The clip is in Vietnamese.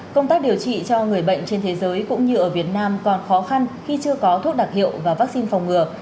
công tác điều trị cho người bệnh trên thế giới cũng như ở việt nam còn khó khăn khi chưa có thuốc đặc hiệu và vaccine phòng ngừa